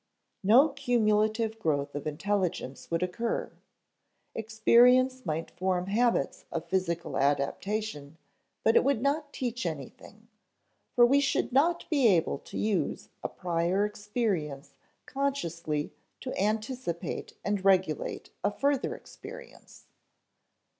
No cumulative growth of intelligence would occur; experience might form habits of physical adaptation but it would not teach anything, for we should not be able to use a prior experience consciously to anticipate and regulate a further experience.